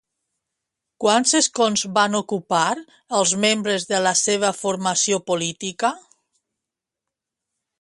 Quants escons van ocupar, els membres de la seva formació política?